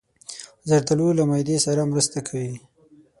زردالو له معدې سره مرسته کوي.